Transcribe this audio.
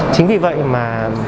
chính vì vậy mà